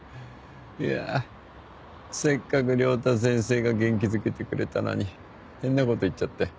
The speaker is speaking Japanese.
いやせっかく良太先生が元気づけてくれたのに変なこと言っちゃって。